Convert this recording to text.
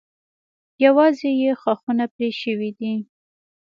یوازې یې ښاخونه پرې شوي دي.